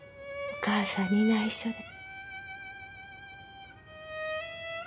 お母さんに内緒で。